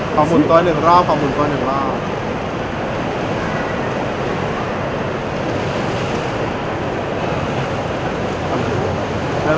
ขอบบุญตัวหนึ่งรอบขอบบุญตัวหนึ่งรอบ